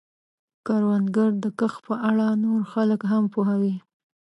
کروندګر د کښت په اړه نور خلک هم پوهوي